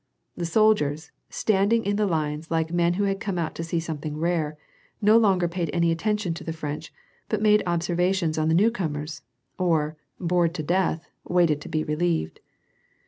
The soldiers, standing in the lines, like men who had come out to see something rare, no longer paid any attention to the French, but made observations on the new comers, or, bored to death, waited to be relieved.